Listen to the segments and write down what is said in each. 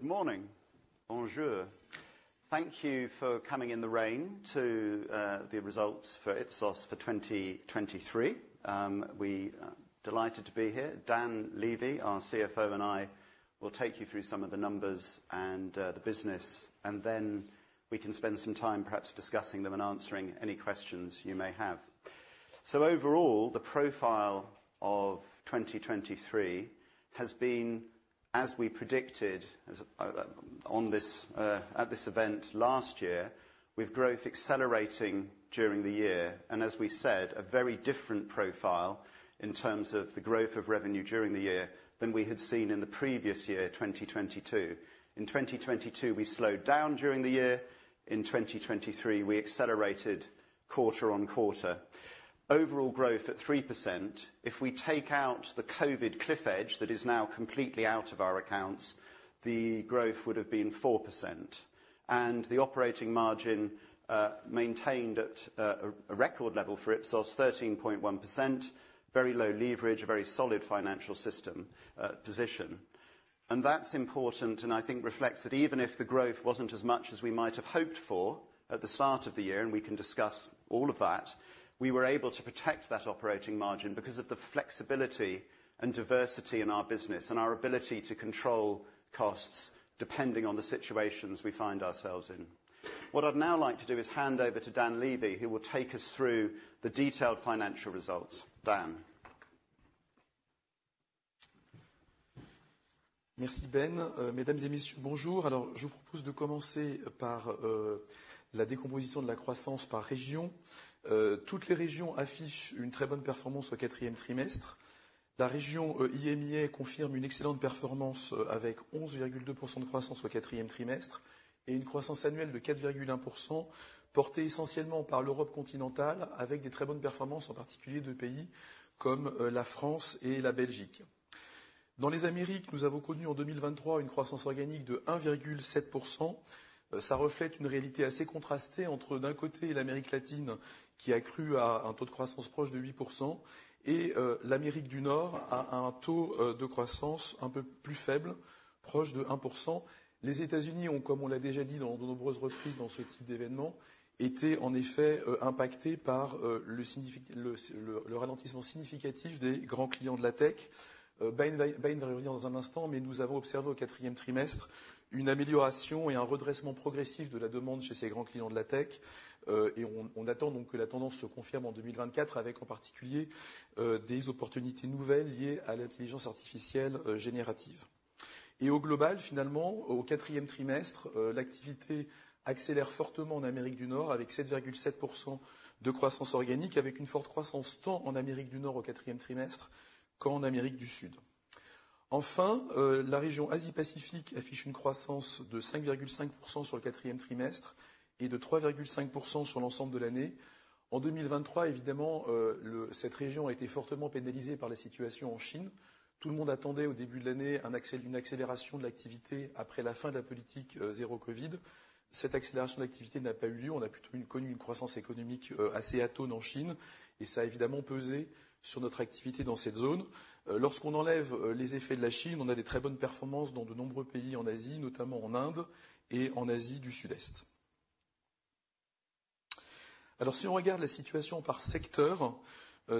Good morning! Bonjour. Thank you for coming in the rain to the results for Ipsos for 2023. We are delighted to be here. Dan Levy, our CFO, and I will take you through some of the numbers and the business, and then we can spend some time perhaps discussing them and answering any questions you may have. Overall, the profile of 2023 has been as we predicted, as on this at this event last year, with growth accelerating during the year. As we said, a very different profile in terms of the growth of revenue during the year than we had seen in the previous year, 2022. In 2022, we slowed down during the year. In 2023, we accelerated quarter on quarter. Overall growth at 3%. If we take out the COVID cliff edge, that is now completely out of our accounts, the growth would have been 4%. The operating margin maintained at a record level for Ipsos, 13.1%. Very low leverage, a very solid financial position. That's important and I think reflects that even if the growth wasn't as much as we might have hoped for at the start of the year, and we can discuss all of that, we were able to protect that operating margin because of the flexibility and diversity in our business and our ability to control costs depending on the situations we find ourselves in. What I'd now like to do is hand over to Dan Levy, who will take us through the detailed financial results. Dan? Merci Ben. Mesdames et Messieurs, bonjour. Je vous propose de commencer par la décomposition de la croissance par région. Toutes les régions affichent une très bonne performance au quatrième trimestre. La région EMEA confirme une excellente performance avec 11,2% de croissance au quatrième trimestre et une croissance annuelle de 4,1%, portée essentiellement par l'Europe continentale, avec de très bonnes performances, en particulier, de pays comme la France et la Belgique. Dans les Amériques, nous avons connu en 2023, une croissance organique de 1,7%. Ça reflète une réalité assez contrastée entre, d'un côté, l'Amérique latine, qui a cru à un taux de croissance proche de 8%, et l'Amérique du Nord, à un taux de croissance un peu plus faible, proche de 1%. Les États-Unis ont, comme on l'a déjà dit à de nombreuses reprises, dans ce type d'événement, été en effet impactés par le ralentissement significatif des grands clients de la tech. Ben va revenir dans un instant, mais nous avons observé au quatrième trimestre une amélioration et un redressement progressif de la demande chez ces grands clients de la tech. Et on attend donc que la tendance se confirme en 2024, avec en particulier des opportunités nouvelles liées à l'intelligence artificielle générative. Et au global, finalement, au quatrième trimestre, l'activité accélère fortement en Amérique du Nord avec 7,7% de croissance organique, avec une forte croissance tant en Amérique du Nord au quatrième trimestre, qu'en Amérique du Sud. Enfin, la région Asie-Pacifique affiche une croissance de 5,5% sur le quatrième trimestre et de 3,5% sur l'ensemble de l'année. En 2023, évidemment, cette région a été fortement pénalisée par la situation en Chine. Tout le monde attendait au début de l'année une accélération de l'activité après la fin de la politique zéro COVID. Cette accélération d'activité n'a pas eu lieu. On a plutôt connu une croissance économique assez atone en Chine et ça a évidemment pesé sur notre activité dans cette zone. Lorsqu'on enlève les effets de la Chine, on a de très bonnes performances dans de nombreux pays en Asie, notamment en Inde et en Asie du Sud-Est. Alors, si on regarde la situation par secteur,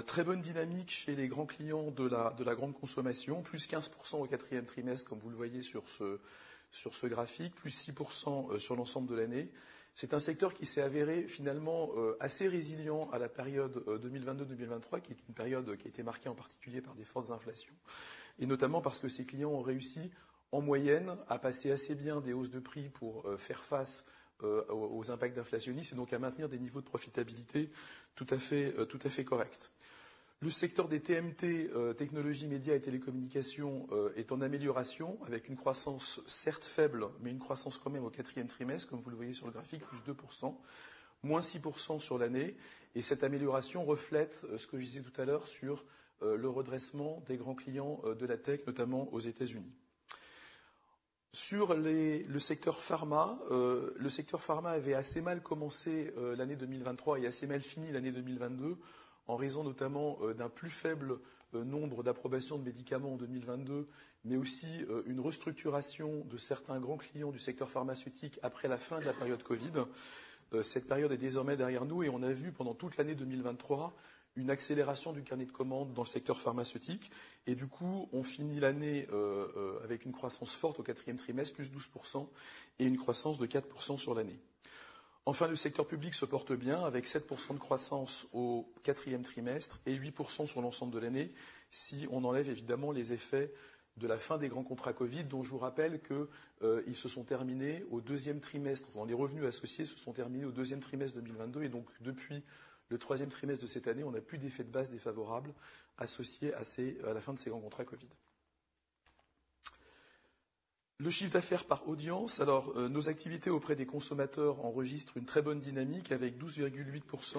très bonne dynamique chez les grands clients de la grande consommation, plus 15% au quatrième trimestre, comme vous le voyez sur ce graphique, +6% sur l'ensemble de l'année. C'est un secteur qui s'est avéré finalement assez résilient à la période 2022, 2023, qui est une période qui a été marquée en particulier par des fortes inflations, et notamment parce que ces clients ont réussi, en moyenne, à passer assez bien des hausses de prix pour faire face aux impacts inflationnistes et donc à maintenir des niveaux de profitabilité tout à fait corrects. Le secteur des TMT, Technology, Média et Télécommunications, est en amélioration avec une croissance certes faible, mais une croissance quand même au quatrième trimestre. Comme vous le voyez sur le graphique, plus 2% moins 6% sur l'année. Cette amélioration reflète ce que je disais tout à l'heure sur le redressement des grands clients de la tech, notamment aux États-Unis. Sur le secteur pharma, le secteur pharma avait assez mal commencé l'année 2023 et assez mal fini l'année 2022, en raison notamment d'un plus faible nombre d'approbations de médicaments en 2022, mais aussi une restructuration de certains grands clients du secteur pharmaceutique après la fin de la période COVID. Cette période est désormais derrière nous et on a vu pendant toute l'année 2023, une accélération du carnet de commandes dans le secteur pharmaceutique. Et du coup, on finit l'année avec une croissance forte au quatrième trimestre, plus 12% et une croissance de 4% sur l'année. Enfin, le secteur public se porte bien avec 7% de croissance au quatrième trimestre et 8% sur l'ensemble de l'année. Si on enlève évidemment les effets de la fin des grands contrats COVID, dont je vous rappelle qu'ils se sont terminés au deuxième trimestre. Enfin, les revenus associés se sont terminés au deuxième trimestre 2022 et donc, depuis le troisième trimestre de cette année, on n'a plus d'effet de base défavorable associé à la fin de ces grands contrats COVID. Le chiffre d'affaires par audience. Alors, nos activités auprès des consommateurs enregistrent une très bonne dynamique avec 12,8%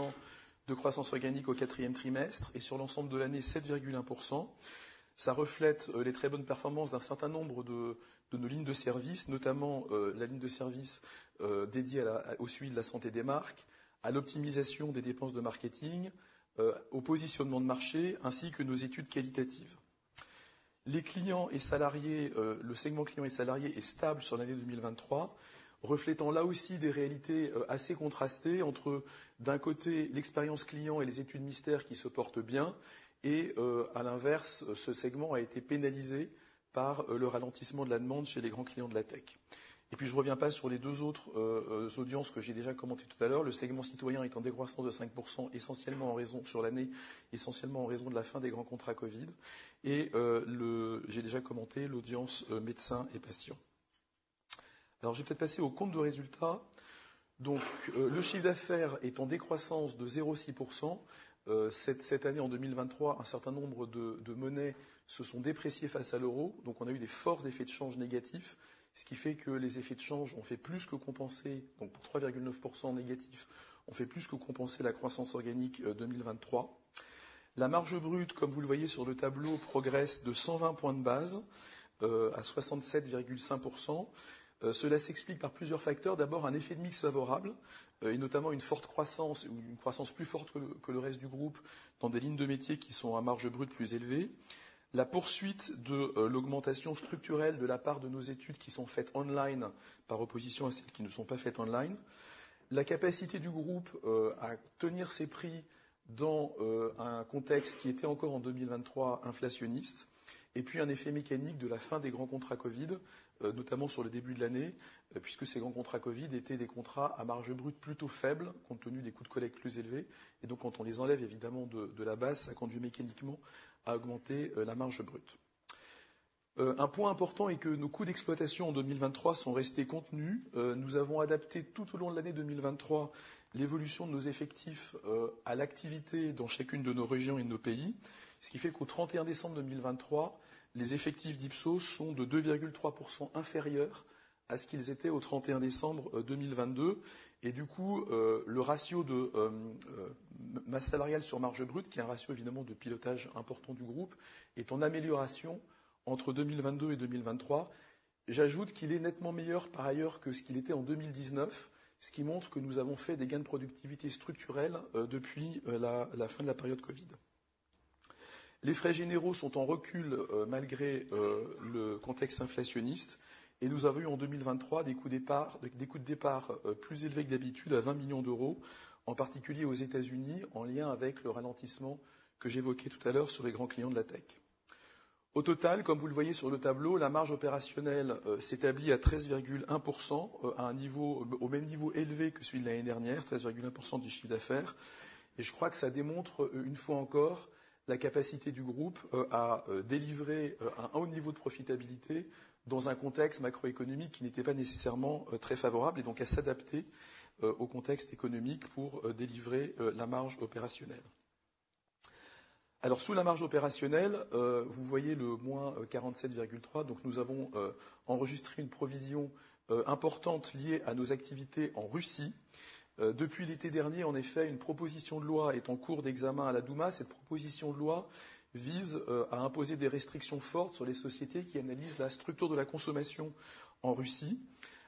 de croissance organique au quatrième trimestre et sur l'ensemble de l'année, 7,1%. Ça reflète les très bonnes performances d'un certain nombre de nos lignes de services, notamment la ligne de services dédiée au suivi de la santé des marques, à l'optimisation des dépenses de marketing, au positionnement de marché ainsi que nos études qualitatives. Les clients et salariés, le segment clients et salariés est stable sur l'année 2023, reflétant là aussi des réalités assez contrastées entre, d'un côté, l'expérience client et les études mystères qui se portent bien et, à l'inverse, ce segment a été pénalisé par le ralentissement de la demande chez les grands clients de la tech. Et puis, je ne reviens pas sur les deux autres audiences que j'ai déjà commentées tout à l'heure. Le segment citoyen est en décroissance de 5%, essentiellement en raison, sur l'année, essentiellement en raison de la fin des grands contrats Covid. Et j'ai déjà commenté l'audience médecins et patients. Alors, je vais peut-être passer au compte de résultat. Donc, le chiffre d'affaires est en décroissance de 0,6%. Cette année, en 2023, un certain nombre de monnaies se sont dépréciées face à l'euro. Donc, on a eu des forts effets de change négatifs, ce qui fait que les effets de change ont fait plus que compenser. Donc, pour 3,9% négatifs, ont fait plus que compenser la croissance organique 2023. La marge brute, comme vous le voyez sur le tableau, progresse de 120 points de base à 67,5%. Cela s'explique par plusieurs facteurs. D'abord, un effet de mix favorable, et notamment une forte croissance ou une croissance plus forte que le reste du groupe dans des lignes de métiers qui sont à marge brute plus élevée. La poursuite de l'augmentation structurelle de la part de nos études qui sont faites online, par opposition à celles qui ne sont pas faites online. La capacité du groupe à tenir ses prix dans un contexte qui était encore, en 2023, inflationniste. Et puis, un effet mécanique de la fin des grands contrats Covid, notamment sur le début de l'année, puisque ces grands contrats Covid étaient des contrats à marge brute plutôt faible, compte tenu des coûts de collecte plus élevés. Et donc, quand on les enlève, évidemment, de la base, ça conduit mécaniquement à augmenter la marge brute. Un point important est que nos coûts d'exploitation en 2023 sont restés contenus. Nous avons adapté tout au long de l'année 2023 l'évolution de nos effectifs à l'activité dans chacune de nos régions et de nos pays. Ce qui fait qu'au 31 décembre 2023, les effectifs d'Ipsos sont de 2,3% inférieurs à ce qu'ils étaient au 31 décembre 2022. Et du coup, le ratio de masse salariale sur marge brute, qui est un ratio évidemment de pilotage important du groupe, est en amélioration entre 2022 et 2023. J'ajoute qu'il est nettement meilleur, par ailleurs, que ce qu'il était en 2019, ce qui montre que nous avons fait des gains de productivité structurels depuis la fin de la période Covid. Les frais généraux sont en recul malgré le contexte inflationniste et nous avons eu en 2023, des coûts de départ plus élevés que d'habitude, à €20 millions, en particulier aux États-Unis, en lien avec le ralentissement que j'évoquais tout à l'heure sur les grands clients de la tech. Au total, comme vous le voyez sur le tableau, la marge opérationnelle s'établit à 13,1%, au même niveau élevé que celui de l'année dernière, 13,1% du chiffre d'affaires. Et je crois que ça démontre, une fois encore, la capacité du groupe à délivrer un haut niveau de profitabilité dans un contexte macroéconomique qui n'était pas nécessairement très favorable et donc à s'adapter au contexte économique pour délivrer la marge opérationnelle. Alors, sous la marge opérationnelle, vous voyez le moins 47,3. Donc, nous avons enregistré une provision importante liée à nos activités en Russie. Depuis l'été dernier, en effet, une proposition de loi est en cours d'examen à la Douma. Cette proposition de loi vise à imposer des restrictions fortes sur les sociétés qui analysent la structure de la consommation en Russie.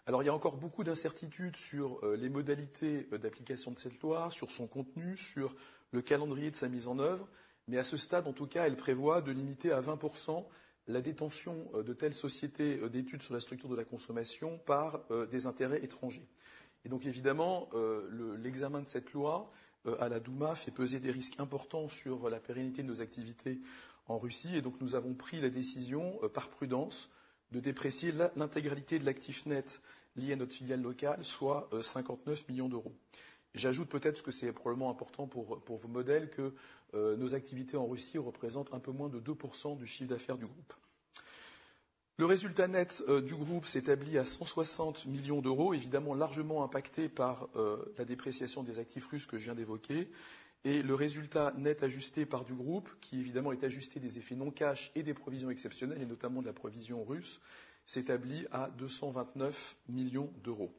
Alors, il y a encore beaucoup d'incertitudes sur les modalités d'application de cette loi, sur son contenu, sur le calendrier de sa mise en œuvre. Mais à ce stade, en tout cas, elle prévoit de limiter à 20% la détention de telles sociétés d'études sur la structure de la consommation par des intérêts étrangers. Et donc, évidemment, l'examen de cette loi à la Douma fait peser des risques importants sur la pérennité de nos activités en Russie. Et donc, nous avons pris la décision, par prudence, de déprécier l'intégralité de l'actif net lié à notre filiale locale, soit €59 millions. J'ajoute peut-être, parce que c'est probablement important pour vos modèles, que nos activités en Russie représentent un peu moins de 2% du chiffre d'affaires du groupe. Le résultat net du groupe s'établit à 160 millions d'euros, évidemment largement impacté par la dépréciation des actifs russes que je viens d'évoquer, et le résultat net ajusté du groupe, qui évidemment est ajusté des effets non cash et des provisions exceptionnelles, et notamment de la provision russe, s'établit à 229 millions d'euros.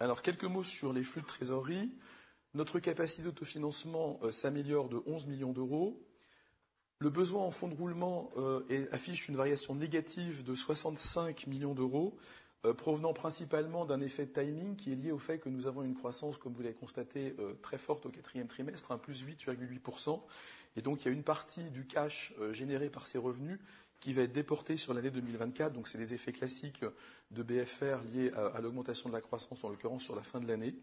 Alors, quelques mots sur les flux de trésorerie. Notre capacité d'autofinancement s'améliore de 11 millions d'euros. Le besoin en fonds de roulement affiche une variation négative de 65 millions d'euros, provenant principalement d'un effet de timing, qui est lié au fait que nous avons une croissance, comme vous l'avez constaté, très forte au quatrième trimestre, un plus 8,8%. Et donc, il y a une partie du cash généré par ces revenus qui va être déportée sur l'année 2024. Donc, c'est des effets classiques de BFR liés à l'augmentation de la croissance, en l'occurrence, sur la fin de l'année.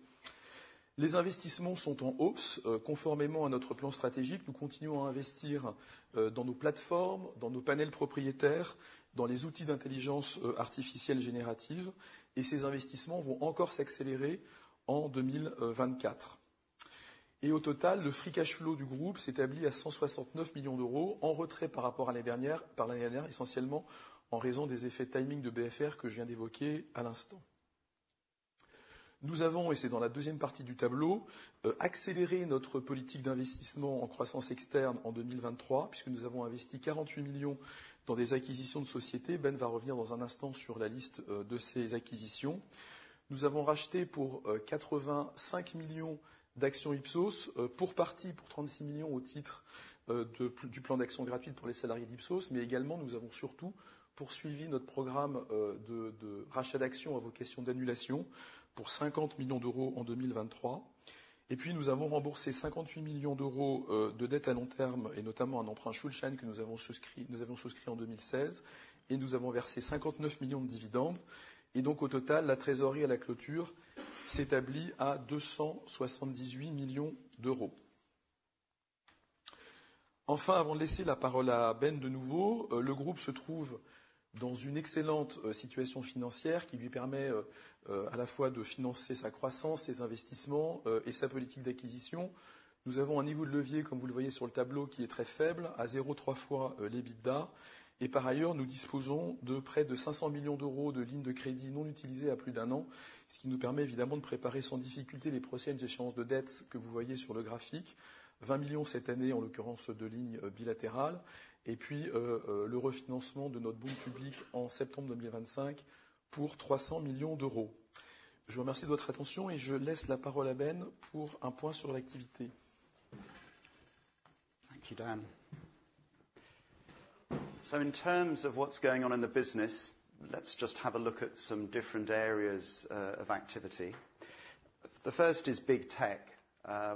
Les investissements sont en hausse, conformément à notre plan stratégique. Nous continuons à investir dans nos plateformes, dans nos panels propriétaires, dans les outils d'intelligence artificielle générative, et ces investissements vont encore s'accélérer en 2024. Au total, le free cash flow du groupe s'établit à €169 millions, en retrait par rapport à l'année dernière, essentiellement en raison des effets timing de BFR que je viens d'évoquer à l'instant. Nous avons, et c'est dans la deuxième partie du tableau, accéléré notre politique d'investissement en croissance externe en 2023, puisque nous avons investi €48 millions dans des acquisitions de sociétés. Ben va revenir dans un instant sur la liste de ces acquisitions. Nous avons racheté pour quatre-vingt-cinq millions d'actions Ipsos, pour partie pour trente-six millions, au titre du plan d'actions gratuites pour les salariés d'Ipsos. Mais également, nous avons surtout poursuivi notre programme de rachat d'actions à vocation d'annulation pour cinquante millions d'euros en 2023. Et puis, nous avons remboursé cinquante-huit millions d'euros de dettes à long terme, et notamment un emprunt Schuldschein que nous avons souscrit en 2016, et nous avons versé cinquante-neuf millions de dividendes. Et donc, au total, la trésorerie à la clôture s'établit à deux cent soixante-dix-huit millions d'euros. Enfin, avant de laisser la parole à Ben de nouveau, le groupe se trouve dans une excellente situation financière qui lui permet à la fois de financer sa croissance, ses investissements, et sa politique d'acquisition. Nous avons un niveau de levier, comme vous le voyez sur le tableau, qui est très faible, à 0,3 fois l'EBITDA. Et par ailleurs, nous disposons de près de 500 millions d'euros de lignes de crédit non utilisées à plus d'un an, ce qui nous permet évidemment de préparer sans difficulté les prochaines échéances de dette que vous voyez sur le graphique. 20 millions cette année, en l'occurrence, deux lignes bilatérales, et puis le refinancement de notre bond public en septembre 2025 pour 300 millions d'euros. Je vous remercie de votre attention et je laisse la parole à Ben pour un point sur l'activité. Thank you, Dan. In terms of what's going on in the business, let's just have a look at some different areas of activity. The first is big tech,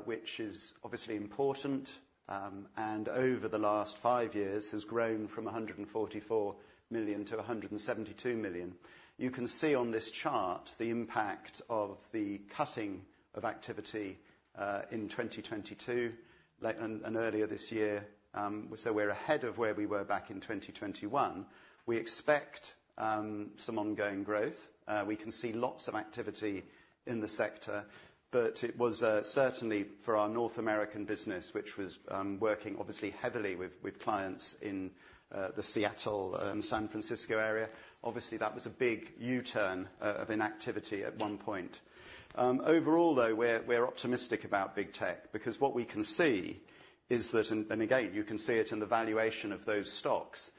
which is obviously important, and over the last five years, has grown from $144 million-$172 million. You can see on this chart the impact of the cutting of activity in 2022, late and earlier this year. So we're ahead of where we were back in 2021. We expect some ongoing growth. We can see lots of activity in the sector, but it was certainly for our North American business, which was working obviously heavily with clients in the Seattle and San Francisco area. Obviously, that was a big U-turn of inactivity at one point. Overall, though, we're optimistic about big tech, because what we can see is that, and again, you can see it in the valuation of those stocks,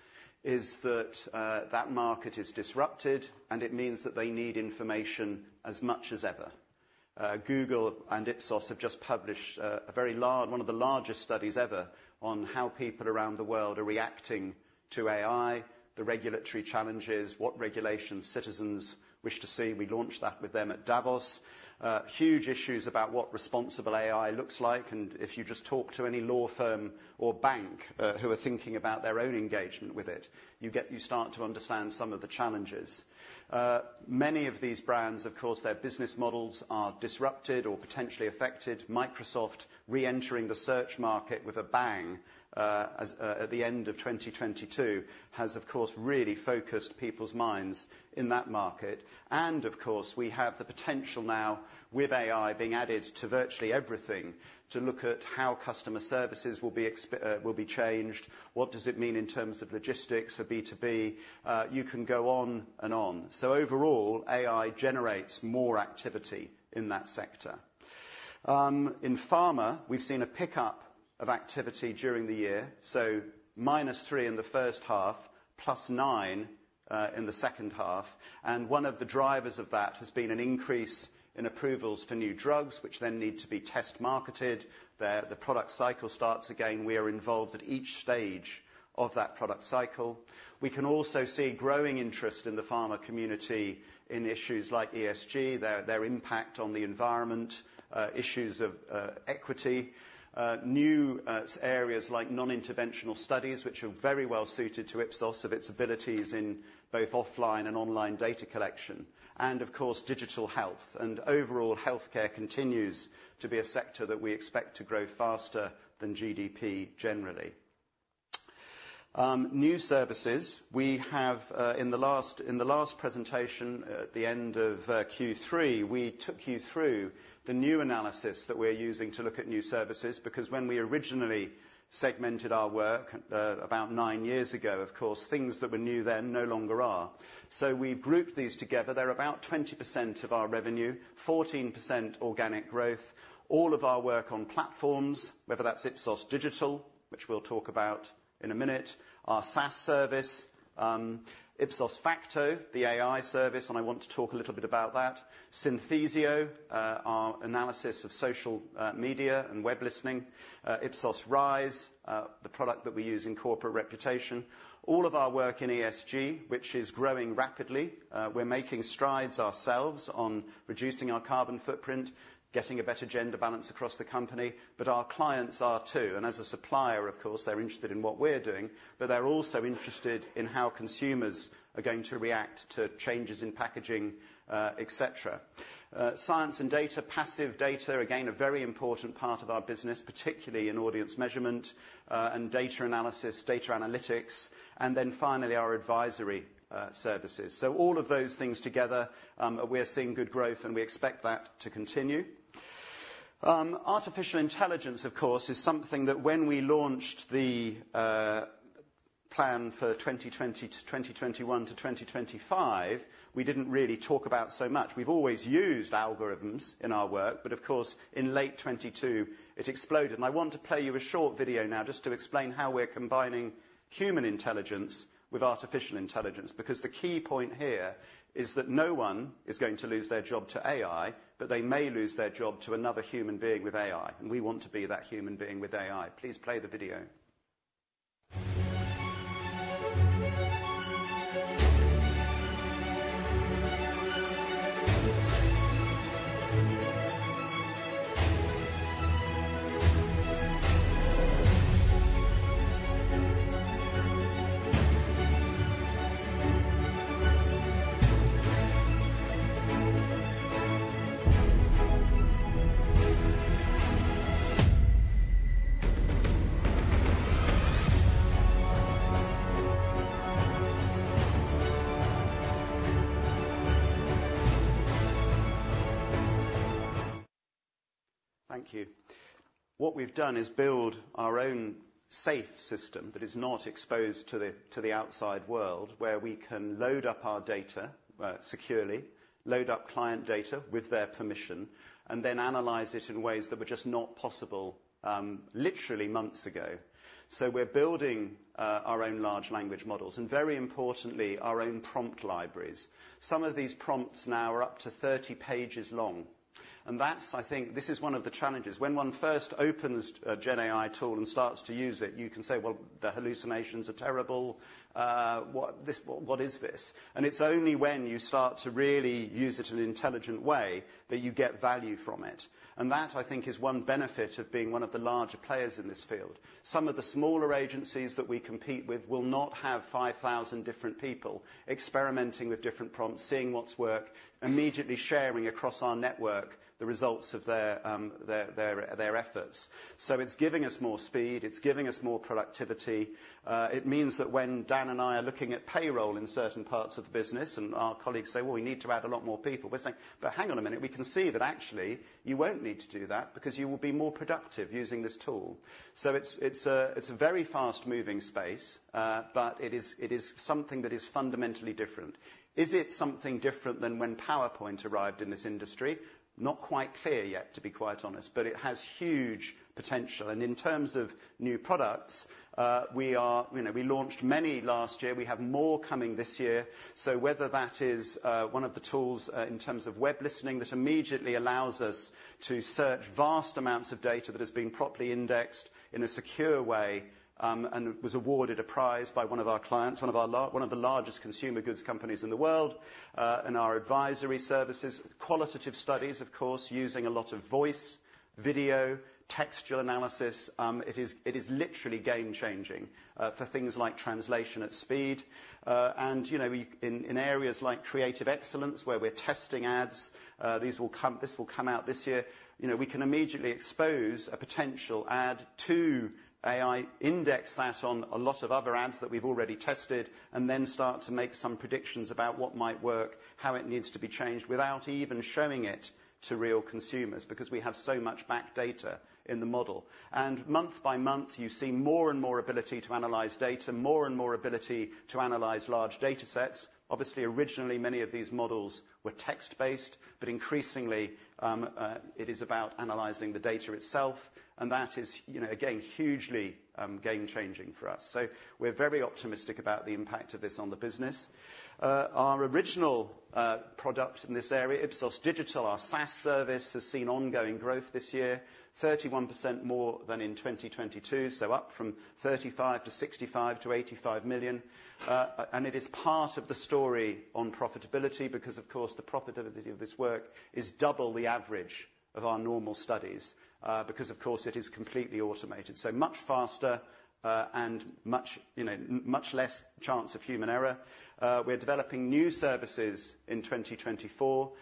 is that market is disrupted, and it means that they need information as much as ever. Google and Ipsos have just published a very large... one of the largest studies ever on how people around the world are reacting to AI, the regulatory challenges, what regulations citizens wish to see. We launched that with them at Davos. Huge issues about what responsible AI looks like, and if you just talk to any law firm or bank who are thinking about their own engagement with it, you get-- you start to understand some of the challenges. Many of these brands, of course, their business models are disrupted or potentially affected. Microsoft reentering the search market with a bang at the end of 2022 has, of course, really focused people's minds in that market. Of course, we have the potential now, with AI being added to virtually everything, to look at how customer services will be changed. What does it mean in terms of logistics for B2B? You can go on and on. So overall, AI generates more activity in that sector. In pharma, we've seen a pickup of activity during the year, so minus 3% in the first half, plus 9% in the second half, and one of the drivers of that has been an increase in approvals for new drugs, which then need to be test marketed. There, the product cycle starts again. We are involved at each stage of that product cycle. We can also see growing interest in the pharma community in issues like ESG, their impact on the environment, issues of equity, new areas like non-interventional studies, which are very well suited to Ipsos of its abilities in both offline and online data collection, and of course, digital health. Overall, healthcare continues to be a sector that we expect to grow faster than GDP generally. New services. We have, in the last presentation, at the end of Q3, we took you through the new analysis that we're using to look at new services, because when we originally segmented our work about nine years ago, of course, things that were new then no longer are. So we've grouped these together. They're about 20% of our revenue, 14% organic growth, all of our work on platforms, whether that's Ipsos Digital, which we'll talk about in a minute, our SaaS service, Ipsos Facto, the AI service, and I want to talk a little bit about that. Synthesio, our analysis of social media and web listening. Ipsos RISE, the product that we use in corporate reputation. All of our work in ESG, which is growing rapidly. We're making strides ourselves on reducing our carbon footprint, getting a better gender balance across the company, but our clients are too, and as a supplier, of course, they're interested in what we're doing, but they're also interested in how consumers are going to react to changes in packaging, etc. Science and data, passive data, again, a very important part of our business, particularly in audience measurement, and data analysis, data analytics, and then finally, our advisory services. So all of those things together, we're seeing good growth, and we expect that to continue. Artificial intelligence, of course, is something that when we launched the plan for 2020-2021-2025, we didn't really talk about so much. We've always used algorithms in our work, but of course, in late 2022, it exploded. I want to play you a short video now just to explain how we're combining human intelligence with artificial intelligence, because the key point here is that no one is going to lose their job to AI, but they may lose their job to another human being with AI, and we want to be that human being with AI. Please play the video. Thank you. What we've done is build our own safe system that is not exposed to the outside world, where we can load up our data securely, load up client data with their permission, and then analyze it in ways that were just not possible literally months ago. So we're building our own large language models, and very importantly, our own prompt libraries. Some of these prompts now are up to thirty pages long, and that's-- I think this is one of the challenges. When one first opens a Gen AI tool and starts to use it, you can say, "Well, the hallucinations are terrible. What, this-- what is this?" And it's only when you start to really use it in an intelligent way that you get value from it, and that, I think, is one benefit of being one of the larger players in this field. Some of the smaller agencies that we compete with will not have five thousand different people experimenting with different prompts, seeing what's worked, immediately sharing across our network the results of their efforts. So it's giving us more speed. It's giving us more productivity. It means that when Dan and I are looking at payroll in certain parts of the business, and our colleagues say, "Well, we need to add a lot more people," we're saying, "But hang on a minute, we can see that actually you won't need to do that because you will be more productive using this tool." So it's a very fast-moving space, but it is something that is fundamentally different. Is it something different than when PowerPoint arrived in this industry? Not quite clear yet, to be quite honest, but it has huge potential. And in terms of new products, we are... You know, we launched many last year. We have more coming this year. Whether that is one of the tools in terms of web listening, that immediately allows us to search vast amounts of data that is being properly indexed in a secure way, and was awarded a prize by one of our clients, one of the largest consumer goods companies in the world, and our advisory services. Qualitative studies, of course, using a lot of voice, video, textual analysis. It is literally game changing for things like translation at speed. And, you know, we, in areas like creative excellence, where we're testing ads, these will come out this year. You know, we can immediately expose a potential ad to AI, index that on a lot of other ads that we've already tested, and then start to make some predictions about what might work, how it needs to be changed, without even showing it to real consumers, because we have so much back data in the model. And month by month, you see more and more ability to analyze data, more and more ability to analyze large data sets. Obviously, originally, many of these models were text-based, but increasingly, it is about analyzing the data itself, and that is, you know, again, hugely game changing for us. So we're very optimistic about the impact of this on the business. Our original product in this area, Ipsos Digital, our SaaS service, has seen ongoing growth this year, 31% more than in 2022, so up from $35 million- million$65-$85 million. It is part of the story on profitability, because, of course, the profitability of this work is double the average of our normal studies, because, of course, it is completely automated, so much faster, and much less chance of human error. We're developing new services in 2024,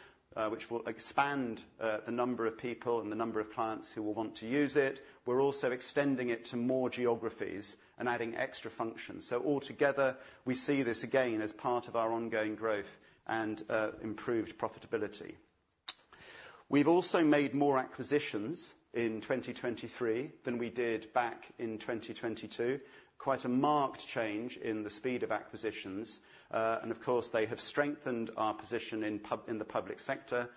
which will expand the number of people and the number of clients who will want to use it. We're also extending it to more geographies and adding extra functions. So altogether, we see this again as part of our ongoing growth and improved profitability. We've also made more acquisitions in 2023 than we did back in 2022. Quite a marked change in the speed of acquisitions. And of course, they have strengthened our position in the public sector,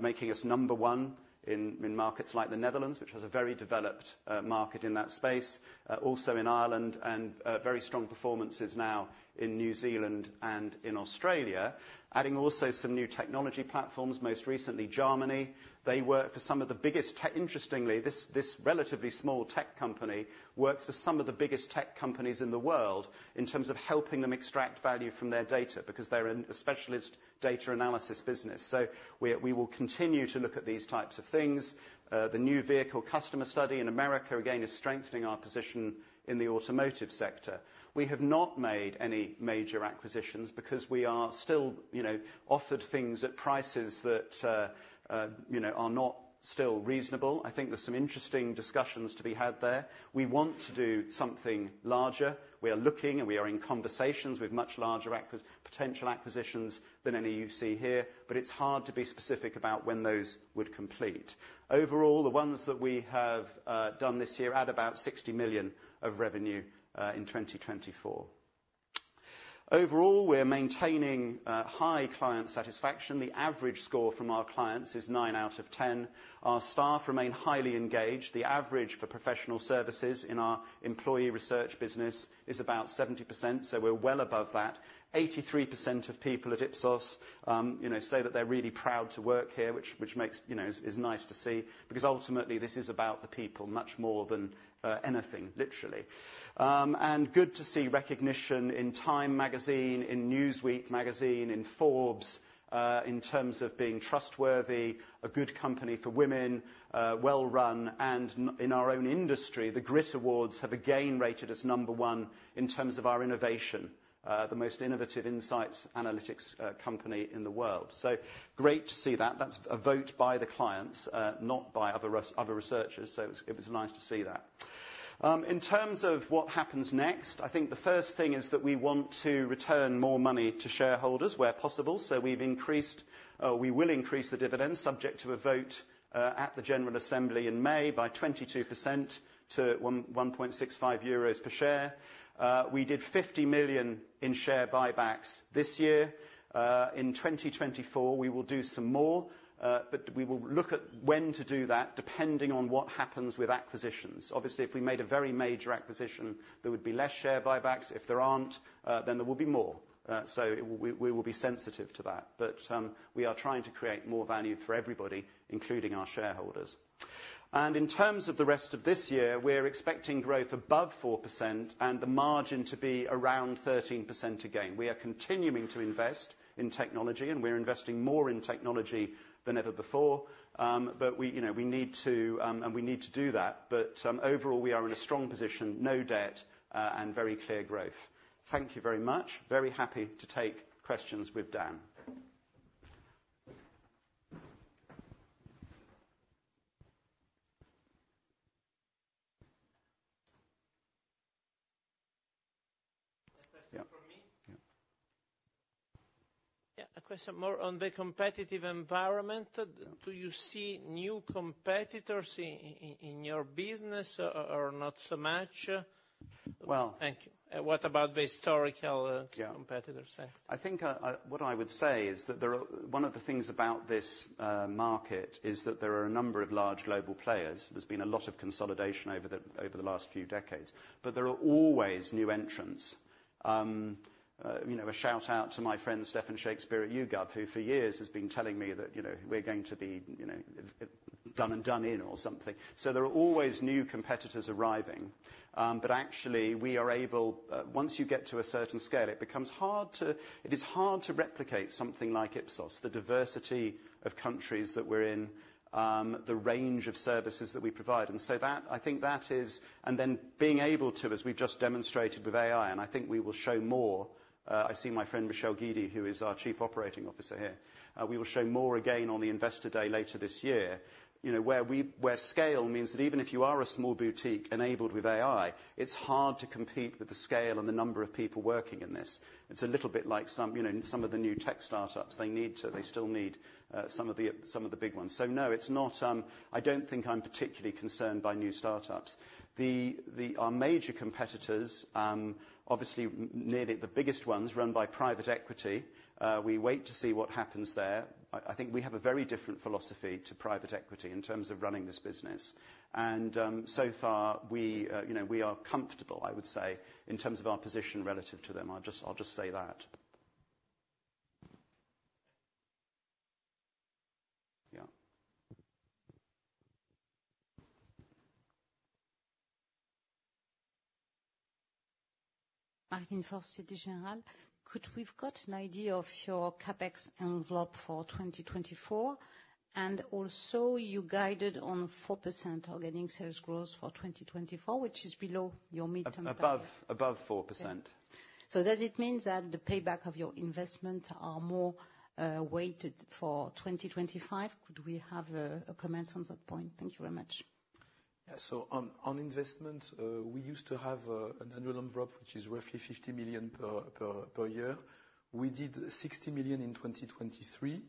making us number one in markets like the Netherlands, which has a very developed market in that space. Also in Ireland, and very strong performances now in New Zealand and in Australia. Adding also some new technology platforms, most recently Germany. They work for some of the biggest tech companies. Interestingly, this relatively small tech company works for some of the biggest tech companies in the world in terms of helping them extract value from their data, because they're a specialist data analysis business. So we will continue to look at these types of things. The new vehicle customer study in America, again, is strengthening our position in the automotive sector. We have not made any major acquisitions, because we are still offered things at prices that are not still reasonable. I think there's some interesting discussions to be had there. We want to do something larger. We are looking, and we are in conversations with much larger potential acquisitions than any you see here, but it's hard to be specific about when those would complete. Overall, the ones that we have done this year add about $60 million of revenue in 2024. Overall, we're maintaining high client satisfaction. The average score from our clients is nine out of ten. Our staff remain highly engaged. The average for professional services in our employee research business is about 70%, so we're well above that. 83% of people at Ipsos say that they're really proud to work here, which makes, you know, is nice to see, because ultimately this is about the people much more than anything, literally. Good to see recognition in Time Magazine, in Newsweek magazine, in Forbes, in terms of being trustworthy, a good company for women, well-run, and in our own industry, the Grit Awards have again rated us number one in terms of our innovation, the most innovative insights analytics company in the world. So great to see that. That's a vote by the clients, not by other researchers, so it was nice to see that. In terms of what happens next, I think the first thing is that we want to return more money to shareholders where possible. So we've increased, we will increase the dividend, subject to a vote at the General Assembly in May, by 22% to €1.65 per share. We did €50 million in share buybacks this year. In 2024, we will do some more, but we will look at when to do that, depending on what happens with acquisitions. Obviously, if we made a very major acquisition, there would be less share buybacks. If there aren't, then there will be more. So we will be sensitive to that. But we are trying to create more value for everybody, including our shareholders. In terms of the rest of this year, we're expecting growth above 4% and the margin to be around 13% again. We are continuing to invest in technology, and we're investing more in technology than ever before. We need to do that. Overall, we are in a strong position, no debt, and very clear growth. Thank you very much. Very happy to take questions with Dan. A question from me? Yeah. Yeah, a question more on the competitive environment. Yeah. Do you see new competitors in your business or not so much? Well- Thank you. What about the historical- Yeah competitors? I think what I would say is that there are one of the things about this market is that there are a number of large global players. There's been a lot of consolidation over the last few decades, but there are always new entrants. You know, a shout-out to my friend Stephan Shakespeare at YouGov, who for years has been telling me that we're going to be done and done in or something. So there are always new competitors arriving. But actually, we are able... Once you get to a certain scale, it becomes hard to, it is hard to replicate something like Ipsos, the diversity of countries that we're in, the range of services that we provide. That, I think that is-- And then being able to, as we've just demonstrated with AI, and I think we will show more. I see my friend Michel Guidi, who is our Chief Operating Officer here. We will show more again on the Investor Day later this year. You know, where we- where scale means that even if you are a small boutique enabled with AI, it's hard to compete with the scale and the number of people working in this. It's a little bit like some, you know, some of the new tech startups. They need to, they still need some of the big ones. So no, it's not, I don't think I'm particularly concerned by new startups. The, our major competitors, obviously nearly the biggest ones, run by private equity. We wait to see what happens there. I think we have a very different philosophy to private equity in terms of running this business, and so far, we are comfortable, I would say, in terms of our position relative to them. I'll just say that. Martin, Société Générale. Could we get an idea of your CapEx envelope for 2024? And also, you guided on 4% organic sales growth for 2024, which is below your midterm- Above, above 4%. Does it mean that the payback of your investment is more weighted for 2025? Could we have a comment on that point? Thank you very much. On investment, we used to have an annual envelope, which is roughly $50 million per year. We did $60 million in 2023,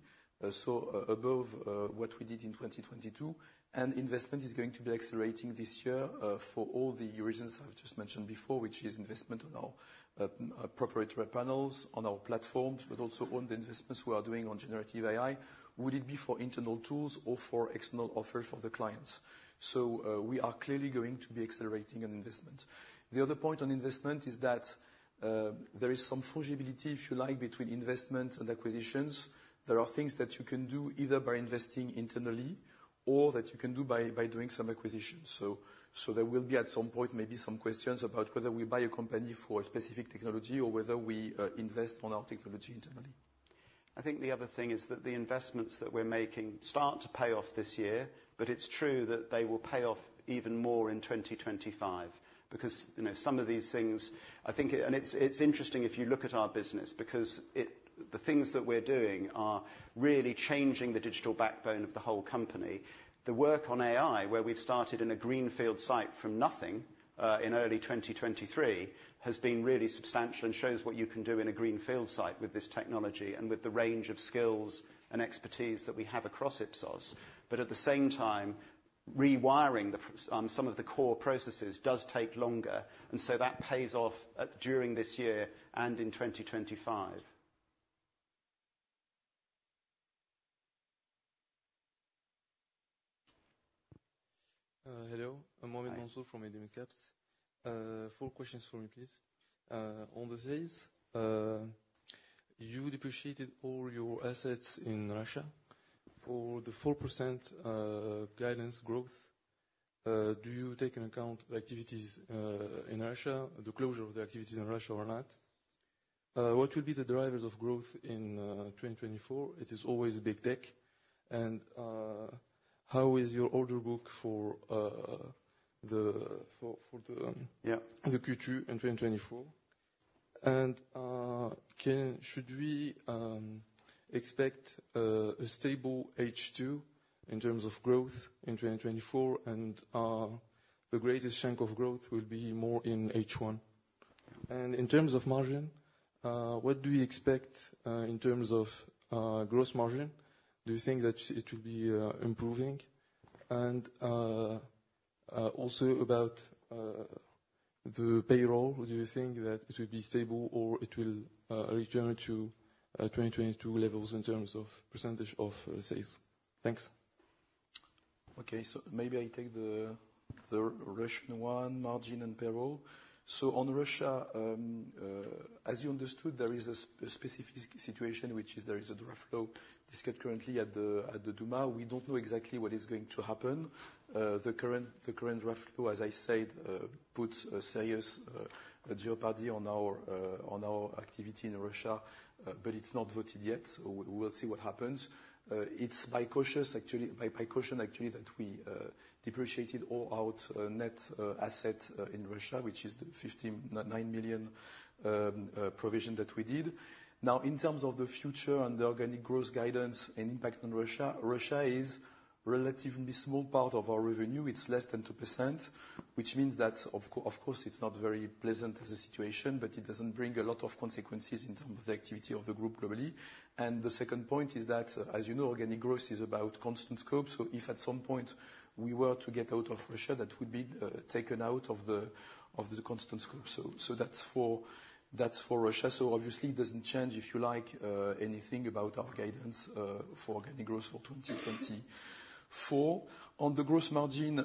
so above what we did in 2022. And investment is going to be accelerating this year for all the reasons I've just mentioned before, which is investment on our proprietary panels, on our platforms, but also on the investments we are doing on generative AI, would it be for internal tools or for external offers for the clients. So we are clearly going to be accelerating on investment. The other point on investment is that there is some fungibility, if you like, between investment and acquisitions. There are things that you can do either by investing internally or that you can do by doing some acquisitions. There will be, at some point, maybe some questions about whether we buy a company for a specific technology or whether we invest on our technology internally. I think the other thing is that the investments that we're making start to pay off this year, but it's true that they will pay off even more in 2025. Because, you know, some of these things, I think, and it's interesting if you look at our business, because the things that we're doing are really changing the digital backbone of the whole company. The work on AI, where we've started in a greenfield site from nothing in early 2023, has been really substantial and shows what you can do in a greenfield site with this technology and with the range of skills and expertise that we have across Ipsos. But at the same time, rewiring some of the core processes does take longer, and so that pays off during this year and in 2025. Hello. Hi. I'm William Monso from Midcap Partners. Four questions for you, please. On the sales, you depreciated all your assets in Russia. For the 4% guidance growth, do you take in account the activities in Russia, the closure of the activities in Russia or not? What will be the drivers of growth in 2024? It is always a big tech. And how is your order book for the... Yeah The Q2 in 2024? And can we expect a stable H2 in terms of growth in 2024, and the greatest chunk of growth will be more in H1? And in terms of margin, what do you expect in terms of gross margin? Do you think that it will be improving? And also about the payroll, do you think that it will be stable or it will return to 2022 levels in terms of percentage of sales? Thanks. So maybe I take the Russian one, margin and payroll. So on Russia, as you understood, there is a specific situation, which is there is a draft law discussed currently at the Duma. We don't know exactly what is going to happen. The current draft law, as I said, puts a serious jeopardy on our activity in Russia, but it's not voted yet, so we will see what happens. It's by caution, actually, that we depreciated all our net assets in Russia, which is the $59 million provision that we did. Now, in terms of the future and the organic growth guidance and impact on Russia, Russia is relatively small part of our revenue. It's less than 2%, which means that of course, it's not very pleasant as a situation, but it doesn't bring a lot of consequences in terms of the activity of the group globally. The second point is that, as you know, organic growth is about constant scope. If at some point we were to get out of Russia, that would be taken out of the constant scope. That's for Russia. Obviously, it doesn't change anything about our guidance for organic growth for 2024. On the gross margin,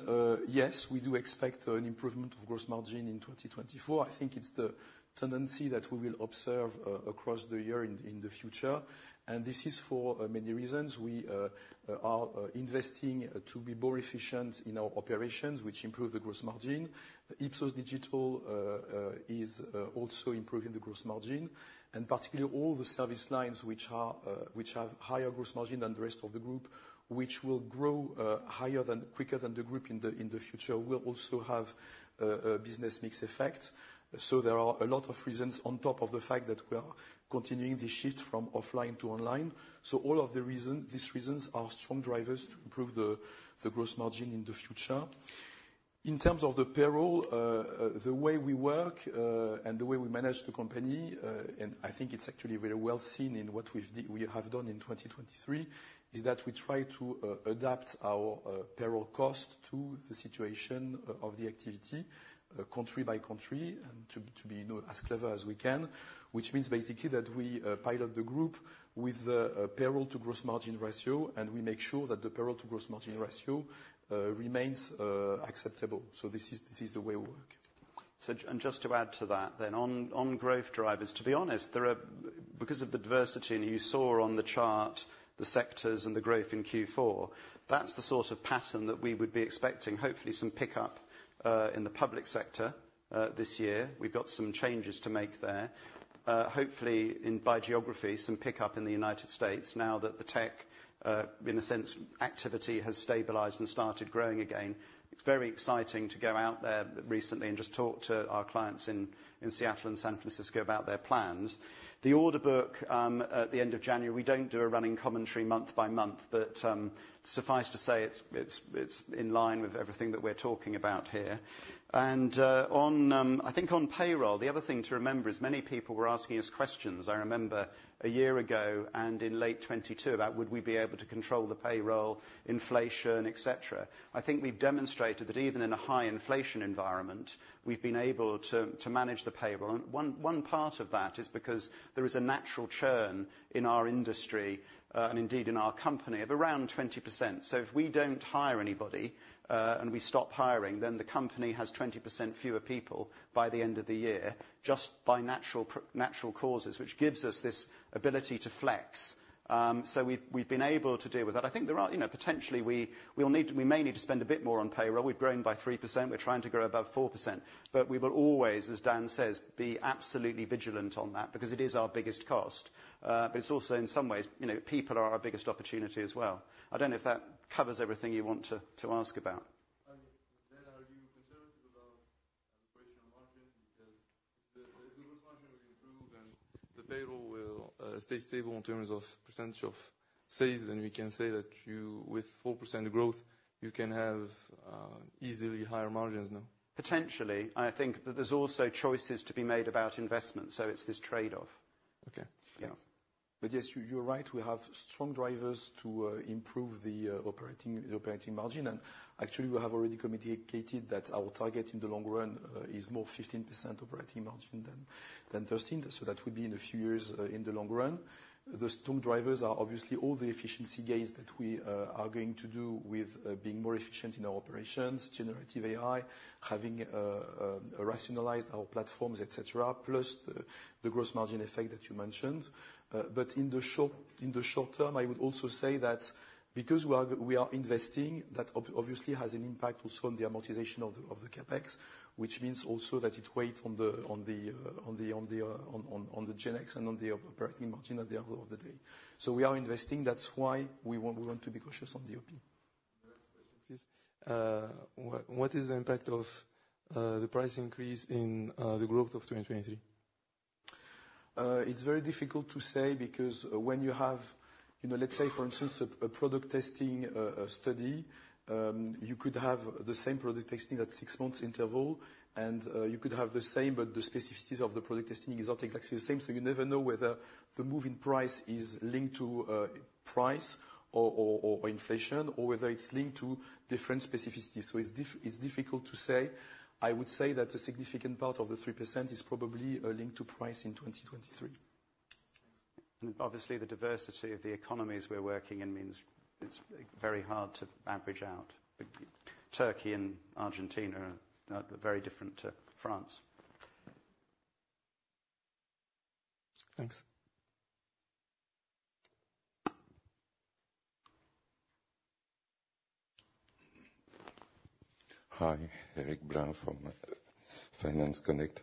yes, we do expect an improvement of gross margin in 2024. I think it's the tendency that we will observe across the year in the future, and this is for many reasons. We are investing to be more efficient in our operations, which improve the gross margin. Ipsos Digital is also improving the gross margin, and particularly all the service lines which have higher gross margin than the rest of the group, which will grow higher than, quicker than the group in the future, will also have a business mix effect. So there are a lot of reasons on top of the fact that we are continuing the shift from offline to online. So all of these reasons are strong drivers to improve the gross margin in the future. In terms of the payroll, the way we work, and the way we manage the company, and I think it's actually very well seen in what we have done in 2023, is that we try to adapt our payroll cost to the situation of the activity, country by country, and to be, you know, as clever as we can. Which means basically that we pilot the group with the payroll to gross margin ratio, and we make sure that the payroll to gross margin ratio remains acceptable. So this is the way we work. And just to add to that, then on growth drivers, to be honest, there are-- Because of the diversity, and you saw on the chart the sectors and the growth in Q4, that's the sort of pattern that we would be expecting. Hopefully, some pickup in the public sector this year. We've got some changes to make there. Hopefully, by geography, some pickup in the United States now that the tech, in a sense, activity has stabilized and started growing again. It's very exciting to go out there recently and just talk to our clients in Seattle and San Francisco about their plans. The order book at the end of January, we don't do a running commentary month by month, but suffice to say, it's in line with everything that we're talking about here. On payroll, the other thing to remember is many people were asking us questions, I remember a year ago and in late 2022, about would we be able to control the payroll, inflation, etc. I think we've demonstrated that even in a high inflation environment, we've been able to manage the payroll. One part of that is because there is a natural churn in our industry, and indeed in our company, of around 20%. If we don't hire anybody, and we stop hiring, then the company has 20% fewer people by the end of the year, just by natural causes, which gives us this ability to flex. We've been able to deal with that. I think there are, you know, potentially we'll need, we may need to spend a bit more on payroll. We've grown by 3%. We're trying to grow above 4%, but we will always, as Dan says, be absolutely vigilant on that because it is our biggest cost. But it's also, in some ways, you know, people are our biggest opportunity as well. I don't know if that covers everything you want to ask about. I mean, then are you concerned about operational margin? Because the gross margin will improve and the payroll will stay stable in terms of percentage of sales, then we can say that you, with 4% growth, you can have easily higher margins now? Potentially, I think that there's also choices to be made about investment, so it's this trade-off. Okay. Yes. But yes, you're right. We have strong drivers to improve the operating margin, and actually we have already communicated that our target in the long run is more 15% operating margin than 13%. So that would be in a few years in the long run. The strong drivers are obviously all the efficiency gains that we are going to do with being more efficient in our operations, generative AI, having rationalized our platforms, et cetera, plus the gross margin effect that you mentioned. But in the short term, I would also say that because we are investing, that obviously has an impact also on the amortization of the CapEx, which means also that it weighs on the GenX and on the operating margin at the end of the day. So we are investing. That's why we want to be cautious on the OP. The next question, please. What is the impact of the price increase in the growth of 2023? It's very difficult to say because when you have, let's say, for instance, a product testing study, you could have the same product testing at six months' interval, and you could have the same, but the specificities of the product testing is not exactly the same. So you never know whether the move in price is linked to price or inflation, or whether it's linked to different specificities. So it's difficult to say. I would say that a significant part of the 3% is probably linked to price in 2023. Obviously, the diversity of the economies we're working in means it's very hard to average out. Turkey and Argentina are very different to France. Thanks. Hi, Eric from Finance Connect.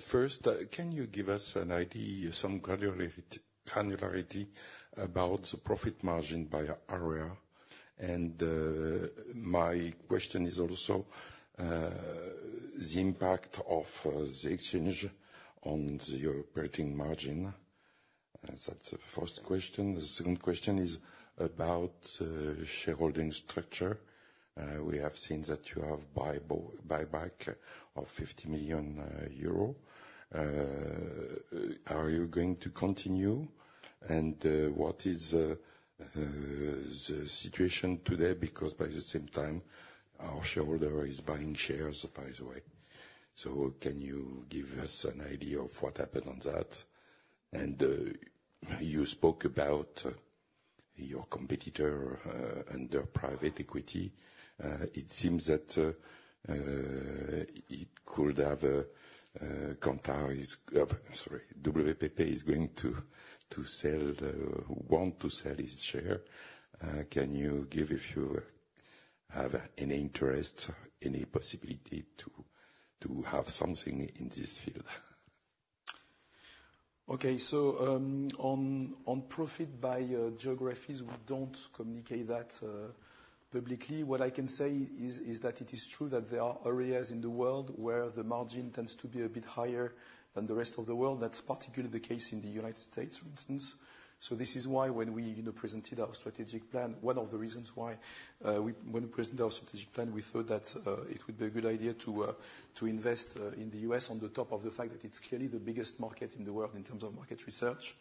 First, can you give us an idea, some granularity about the profit margin by area? My question is also the impact of the exchange on the operating margin. That's the first question. The second question is about shareholding structure. We have seen that you have buyback of €50 million. Are you going to continue, and what is the situation today? Because by the same time, our shareholder is buying shares, by the way. So can you give us an idea of what happened on that? You spoke about your competitor under private equity. It seems that it could have... Kantar is... Sorry, WPP is going to sell, want to sell its share. Can you give if you have any interest, any possibility to have something in this field? On profit by geographies, we don't communicate that publicly. What I can say is that it is true that there are areas in the world where the margin tends to be a bit higher than the rest of the world. That's particularly the case in the United States, for instance. This is why when we presented our strategic plan, one of the reasons why we thought that it would be a good idea to invest in the US on top of the fact that it's clearly the biggest market in the world in terms of market research.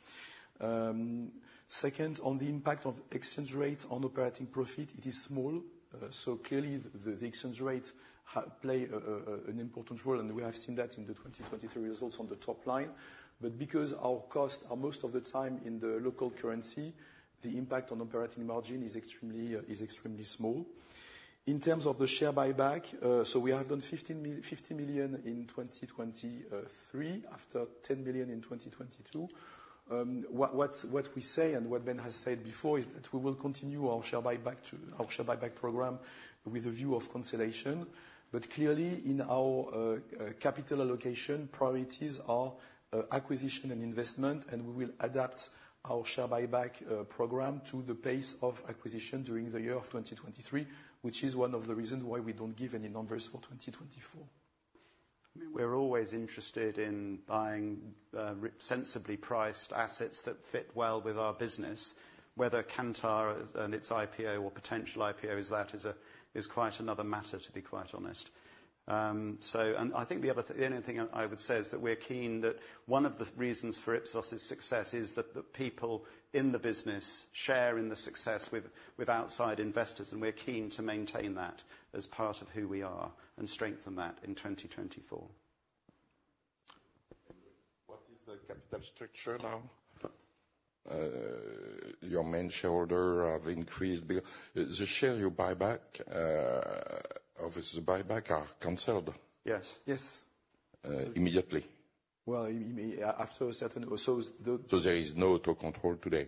Second, on the impact of exchange rate on operating profit, it is small. So clearly, the exchange rate has played an important role, and we have seen that in the 2023 results on the top line. But because our costs are most of the time in the local currency, the impact on operating margin is extremely small. In terms of the share buyback, so we have done $50 million in 2023, after $10 billion in 2022. What we say and what Ben has said before is that we will continue our share buyback program with a view of consolidation. But clearly, in our capital allocation priorities are acquisition and investment, and we will adapt our share buyback program to the pace of acquisition during the year of 2023, which is one of the reasons why we don't give any numbers for 2024. We're always interested in buying sensibly priced assets that fit well with our business. Whether Kantar and its IPO or potential IPO is that, is quite another matter, to be quite honest. I think the only thing I would say is that we're keen that one of the reasons for Ipsos' success is that the people in the business share in the success with outside investors, and we're keen to maintain that as part of who we are and strengthen that in 2024. What is the capital structure now? Your main shareholder have increased the share you buyback. Are the buyback shares canceled? Yes, yes. Immediately? Well, after a certain, so the- There is no total control today?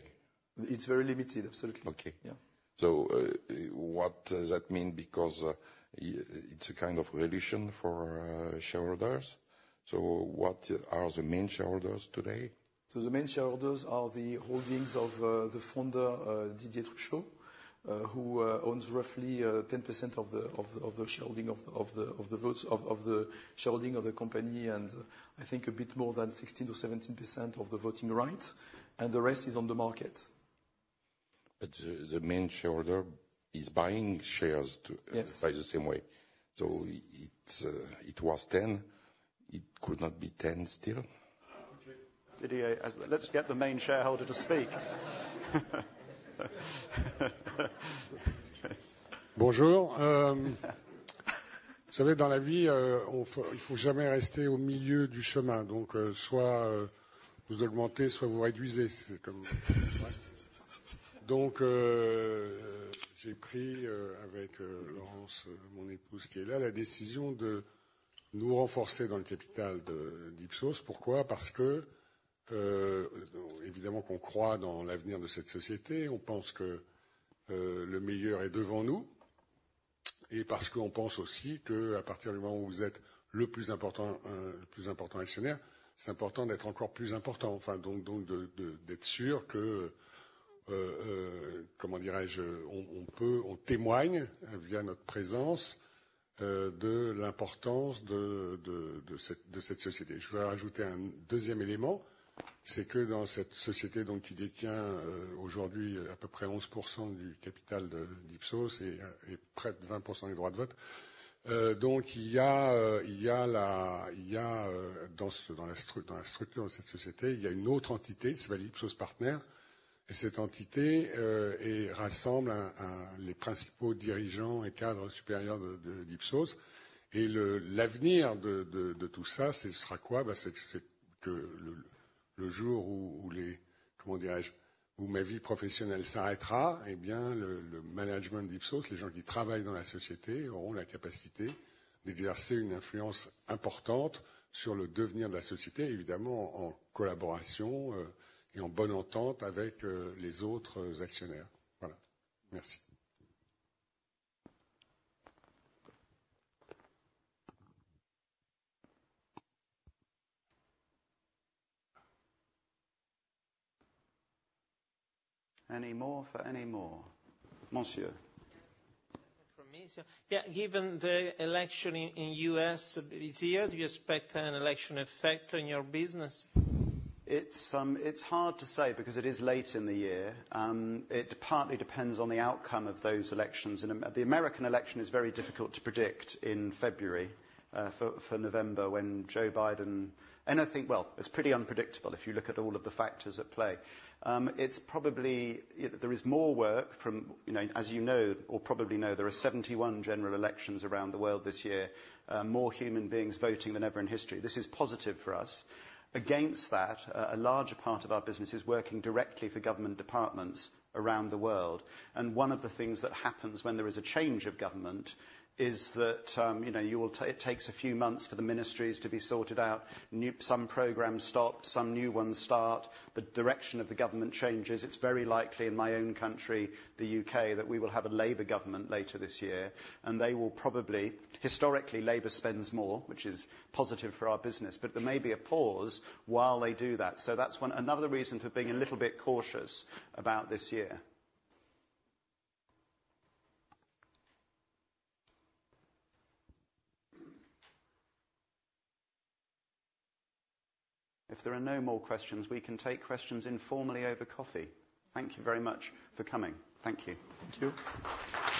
It's very limited, absolutely. Okay. Yeah. What does that mean? Because it's a kind of reduction for shareholders. What are the main shareholders today? The main shareholders are the holdings of the founder, Didier Truchot, who owns roughly 10% of the shares of the company, and I think a bit more than 16% to 17% of the voting rights, and the rest is on the market. But the main shareholder is buying shares to- Yes. By the same way. So it was ten. It could not be ten still? Didier, let's get the main shareholder to speak. Bonjour, vous savez, dans la vie, on, il faut jamais rester au milieu du chemin. Donc, soit vous augmentez, soit vous réduisez. C'est comme donc, j'ai pris, avec Laurence, mon épouse, qui est là, la décision de nous renforcer dans le capital d'Ipsos. Pourquoi? Parce que, évidemment, qu'on croit dans l'avenir de cette société. On pense que le meilleur est devant nous. Et parce qu'on pense aussi que, à partir du moment où vous êtes le plus important actionnaire, c'est important d'être encore plus important. Enfin, donc, d'être sûr que, comment dirais-je? On peut, on témoigne, via notre présence, de l'importance de cette société. Je vais rajouter un deuxième élément, c'est que dans cette société, donc, qui détient aujourd'hui à peu près 11% du capital d'Ipsos et près de 20% des droits de vote, donc il y a, il y a la, il y a dans ce, dans la structure de cette société, il y a une autre entité, qui s'appelle Ipsos Partner. Et cette entité rassemble un, un, les principaux dirigeants et cadres supérieurs d'Ipsos. Et l'avenir de, de, de tout ça, ce sera quoi? Bah, c'est que, c'est que le, le jour où, où les... Comment dirais-je? Où ma vie professionnelle s'arrêtera, eh bien, le management d'Ipsos, les gens qui travaillent dans la société, auront la capacité d'exercer une influence importante sur le devenir de la société, évidemment, en collaboration et en bonne entente avec les autres actionnaires. Voilà. Merci. Any more for any more? Monsieur. From me, sir. Yeah, given the election in the U.S. this year, do you expect an election effect on your business? It's hard to say because it is late in the year. It partly depends on the outcome of those elections. The American election is very difficult to predict in February for November, when Joe Biden... I think, well, it's pretty unpredictable if you look at all of the factors at play. It's probably, you know, there is more work from, as you know or probably know, there are seventy-one general elections around the world this year, more human beings voting than ever in history. This is positive for us. Against that, a larger part of our business is working directly for government departments around the world. One of the things that happens when there is a change of government is that it takes a few months for the ministries to be sorted out. Some programs stop, some new ones start. The direction of the government changes. It's very likely in my own country, the UK, that we will have a Labour government later this year, and they will probably... Historically, Labour spends more, which is positive for our business, but there may be a pause while they do that. That's another reason for being a little bit cautious about this year. If there are no more questions, we can take questions informally over coffee. Thank you very much for coming. Thank you. Thank you.